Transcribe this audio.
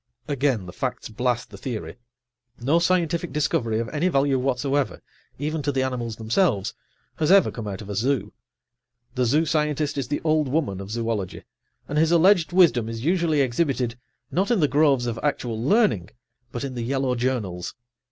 Again the facts blast the theory. No scientific discovery of any value whatsoever, even to the animals themselves, has ever come out of a zoo.[Pg 82] The zoo scientist is the old woman of zoology, and his alleged wisdom is usually exhibited, not in the groves of actual learning, but in the yellow journals.